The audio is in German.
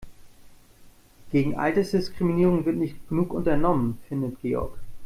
Gegen Altersdiskriminierung wird nicht genug unternommen, findet Georg.